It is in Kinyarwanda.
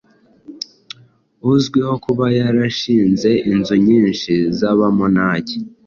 uzwiho kuba yarashinze inzu nyinshi z’abamonaki,